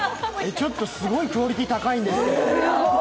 ちょっとすごいクオリティ高いんですけど。